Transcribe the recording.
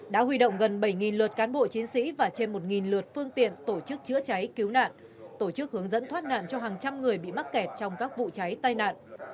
đã huy động gần bảy lượt cán bộ chiến sĩ và trên một lượt phương tiện tổ chức chữa cháy cứu nạn tổ chức hướng dẫn thoát nạn cho hàng trăm người bị mắc kẹt trong các vụ cháy tai nạn